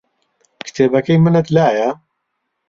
کتێبەکەی منت لایە؟